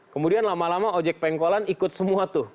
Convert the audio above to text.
kemudian lama lama ojek pengkolan ikut semua tuh